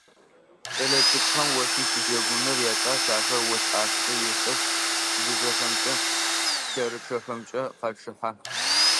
Кӏэлэцӏыкӏухэм осым щыджэгуныр якӏас: ахэр ос ӏашкӏэ ешӏэх, лыжэхэмкӏэ, лъэрычъэхэмкӏэ къачъыхьэ.